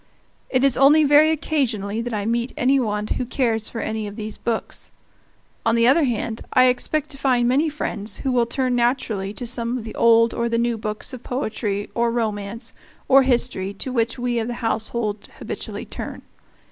It is only very occasionally that I meet any one who cares for any of these books. On the other hand, I expect to find many friends who will turn naturally to some of the old or the new books of poetry or romance or history to which we of the household habitually turn.